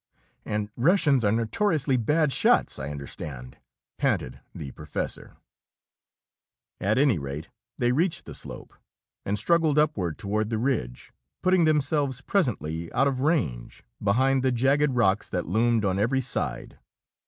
"And Russians are notoriously bad shots, I understand," panted the professor. At any rate, they reached the slope and struggled upward toward the ridge, putting themselves presently out of range behind the jagged rocks that loomed on every side.